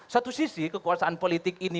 satu sisi kekuasaan politik ini